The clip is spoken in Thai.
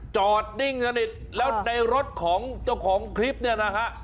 จอดดิ่งชะดิษฐ์แล้วในรถของเจ้าของคลิปเนี่ยนะครับ